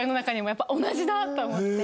やっぱ同じだって思って。